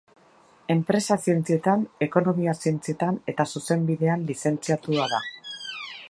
Enpresa Zientzietan, Ekonomia Zientzietan eta Zuzenbidean lizentziatua da.